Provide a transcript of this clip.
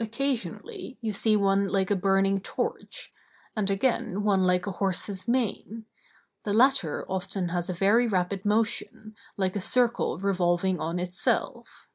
Occasionally you see one like a burning torch; and again one like a horse's mane; the latter often has a very rapid motion, like a circle revolving on itself.